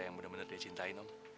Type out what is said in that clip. yang bener bener dia cintain om